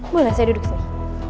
boleh saya duduk sini